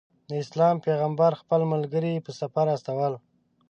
د اسلام پیغمبر خپل ملګري په سفر استول.